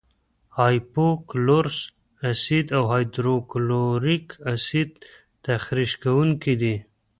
هایپو کلورس اسید او هایدروکلوریک اسید تخریش کوونکي دي.